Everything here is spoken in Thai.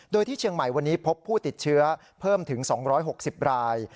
โดยที่เชียงใหม่วันนี้พบผู้ติดเชื้อเพิ่มถึง๒๖๐ราย